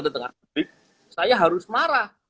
di tengah publik saya harus marah